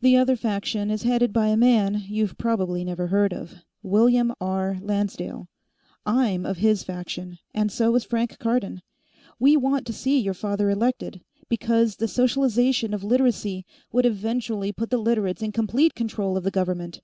"The other faction is headed by a man you've probably never heard of, William R. Lancedale. I'm of his faction, and so is Frank Cardon. We want to see your father elected, because the socialization of Literacy would eventually put the Literates in complete control of the government.